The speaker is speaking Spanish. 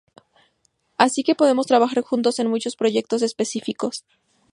Así que podemos trabajar juntos en muchos proyectos específicos".